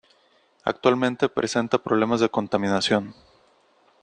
Actualmente presenta problemas de contaminación.